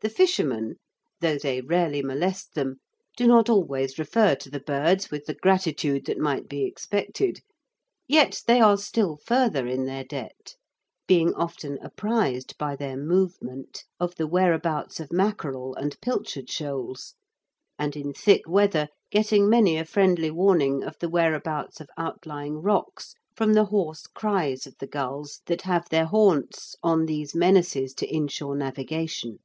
The fishermen, though they rarely molest them, do not always refer to the birds with the gratitude that might be expected, yet they are still further in their debt, being often apprised by their movement of the whereabouts of mackerel and pilchard shoals, and, in thick weather, getting many a friendly warning of the whereabouts of outlying rocks from the hoarse cries of the gulls that have their haunts on these menaces to inshore navigation.